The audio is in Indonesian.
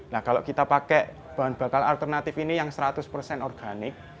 nah kalau kita pakai bahan bakal alternatif ini yang seratus persen organik